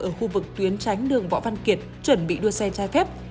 ở khu vực tuyến tránh đường võ văn kiệt chuẩn bị đua xe trái phép